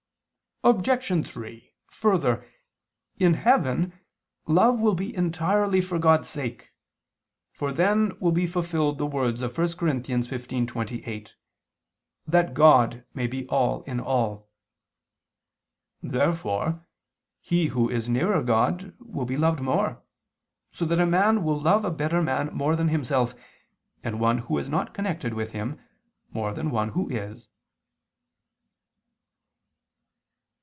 Obj. 3: Further, in heaven love will be entirely for God's sake, for then will be fulfilled the words of 1 Cor. 15:28: "That God may be all in all." Therefore he who is nearer God will be loved more, so that a man will love a better man more than himself, and one who is not connected with him, more than one who is.